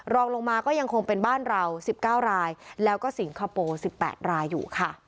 รองลงมาก็ยังคงเป็นบ้านเรา๑๙รายแล้วก็สิงคโปร์๑๘รายอยู่ค่ะ